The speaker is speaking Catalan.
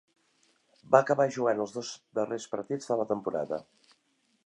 Va acabar jugant els dos darrers partits de la temporada.